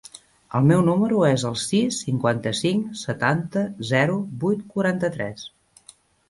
El meu número es el sis, cinquanta-cinc, setanta, zero, vuit, quaranta-tres.